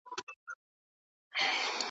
څنګه به یو ځای شول دواړه څنګه به جدا شول؟